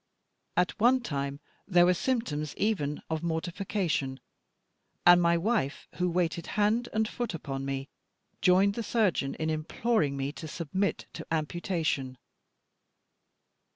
At one time there were symptoms even of mortification, and my wife, who waited hand and foot upon me, joined the surgeon in imploring me to submit to amputation.